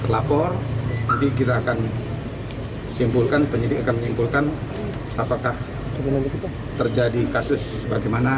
lapor nanti kita akan simpulkan penyidik akan menyimpulkan apakah terjadi kasus bagaimana